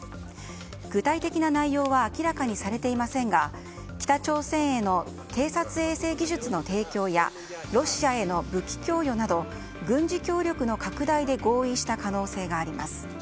具体的な内容は明らかにされていませんが北朝鮮への偵察衛星技術の提供やロシアへの武器供与など軍事協力の拡大で合意した可能性があります。